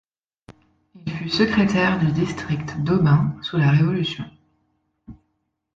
Il fut secrétaire du district d’Aubin sous la Révolution.